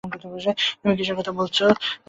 তুমি কিসের কথা বলছো?